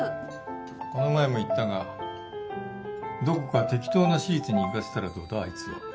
この前も言ったがどこか適当な私立に行かせたらどうだあいつを。